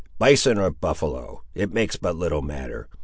"Bison or buffaloe, it makes but little matter.